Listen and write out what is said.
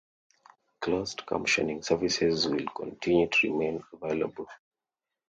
Closed captioning services will continue to remain available.